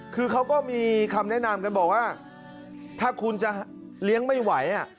คือเขาก็มีคำแนะนำกันบอกว่าถ้าคุณจะเลี้ยงไม่ไหว